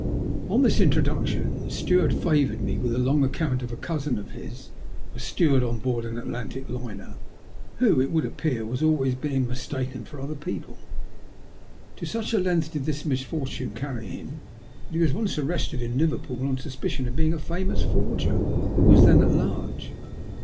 On this introduction the steward favoured me with a long account of a cousin of his — a steward on board an Atlantic liner — who, it would appear, was always being mistaken for other people ; to such a length did this misfortune carry him that he was once arrested in Liverpool on suspicion of being a famous forger who was then at large.